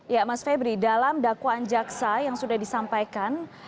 ya mas febri dalam dakwaan jaksa yang sudah disampaikan